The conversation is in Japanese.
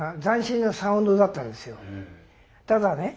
ただね